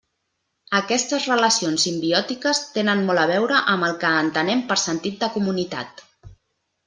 Aquestes relacions simbiòtiques tenen molt a veure amb el que entenem per sentit de comunitat.